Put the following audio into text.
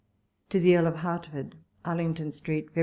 To THE Earl of Hertford. Arlington Street, Feb.